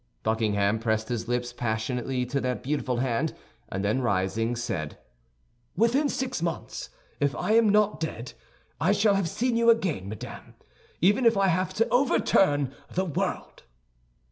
Buckingham pressed his lips passionately to that beautiful hand, and then rising, said, "Within six months, if I am not dead, I shall have seen you again, madame—even if I have to overturn the world."